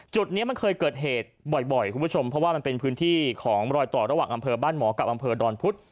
จุดนี้มันเคยเกิดเหตุบ่อยคุณผู้ชมเพราะว่ามันเป็นพื้นที่ของรอยต่อระหว่างอำเภอบ้านหมอกับอำเภอดอนพุธ